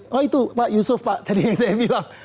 oh itu pak yusuf pak tadi yang saya bilang